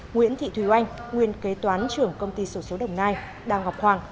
nguyễn thị thùy oanh nguyên kế toán trưởng công ty sổ số đồng nai đào ngọc hoàng